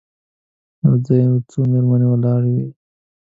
یو ځای څو مېرمنې ولاړې وې.